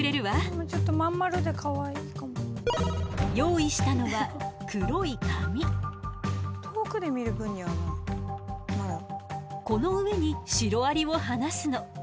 用意したのはこの上にシロアリを放すの。